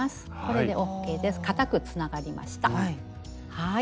はい。